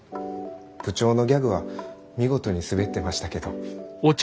部長のギャグは見事にすべってましたけど。